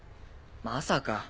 まさか！